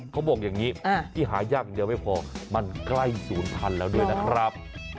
เขาบอกอย่างนี้ที่หายากอย่างเดียวไม่พอมันใกล้ศูนย์พันธุ์แล้วด้วยนะครับ